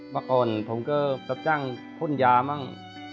เมื่อก่อนผมก็รับจ้างพ่นยามั่ง